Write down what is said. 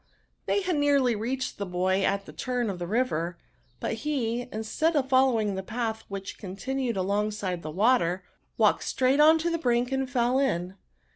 They had nearly reached the boy at a turn of the river ; but he^ instead of following the path which continued alongside the water, walked straight on to the brink, and fell in.